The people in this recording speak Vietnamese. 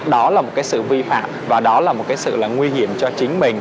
đó là một cái sự vi phạm và đó là một cái sự là nguy hiểm cho chính mình